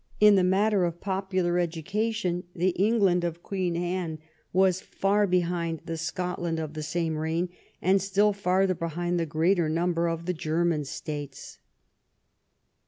In the matter of popular education the England of Queen Anne was far behind the Scotland of the same reign, and still farther behind the greater number of the German states.